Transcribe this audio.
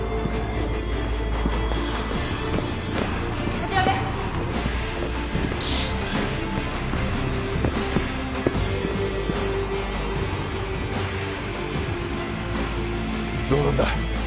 ・こちらですどうなんだ？